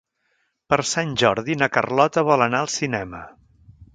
Per Sant Jordi na Carlota vol anar al cinema.